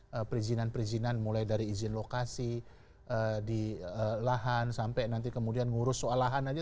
ada perizinan perizinan mulai dari izin lokasi di lahan sampai nanti kemudian ngurus soal lahan aja